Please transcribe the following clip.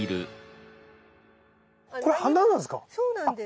これ花なんですか？